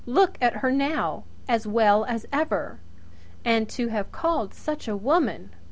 Look at her now! As well as ever. And to have called such a woman!